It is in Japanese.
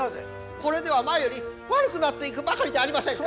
これでは前より悪くなっていくばかりじゃありませんか。